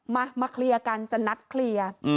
มามาเคลียร์กันจะนัดเคลียร์